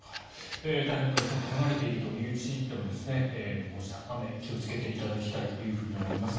台風から、ちょっと離れているという地域でもこうした雨に気をつけていただきたいと思います。